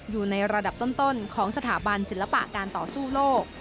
อยู่ในระดับต้นของสถาบันศิลปะการต่อสู้โลก